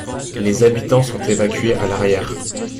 Les habitants sont évacués à l’arrière.